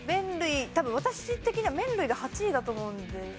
多分私的には麺類が８位だと思うんですよね。